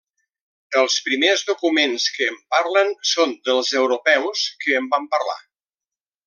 Els primers documents que en parlen són dels Europeus que en van parlar.